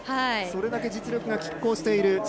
それだけ実力がきっ抗している。